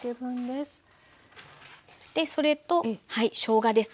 それとしょうがですね。